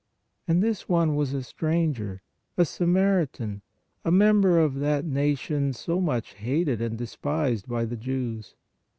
And this one was a stranger, a Samaritan, a member of that na tion so much hated and despised by the Jews.